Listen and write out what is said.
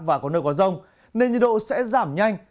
và có nơi có rông nên nhiệt độ sẽ giảm nhanh